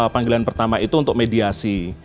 panggilan pertama itu untuk mediasi